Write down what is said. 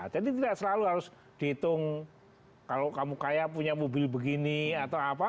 jadi tidak selalu harus dihitung kalau kamu kaya punya mobil begini atau apa